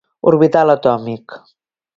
orbital atòmic.